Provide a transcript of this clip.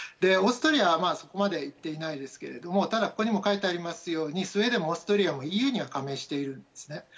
オーストリアは、そこまでいっていないんですけれどもただ、ここにも書いてあるようにスウェーデンもオーストリアもＥＵには加盟しているんですね。